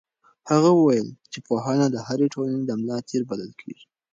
هغه وویل چې پوهنه د هرې ټولنې د ملا تیر بلل کېږي.